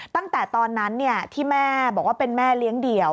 ตั้งแต่ตอนนั้นที่แม่บอกว่าเป็นแม่เลี้ยงเดี่ยว